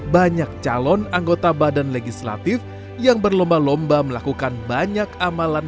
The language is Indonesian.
banyak calon anggota badan legislatif yang berlomba lomba melakukan banyak amalan